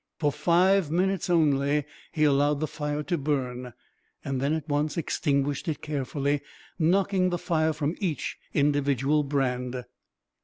For five minutes only he allowed the fire to burn, and then at once extinguished it carefully, knocking the fire from each individual brand.